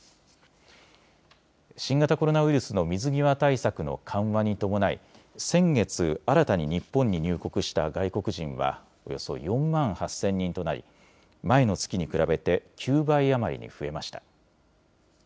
新型コロナウイルスの水際対策の緩和に伴い先月、新たに日本に入国した外国人はおよそ４万８０００人となり前の月に比べて９倍余りに増えました。